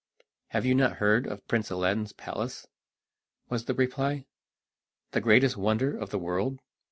"Have you not heard of Prince Aladdin's palace," was the reply, "the greatest wonder of the world?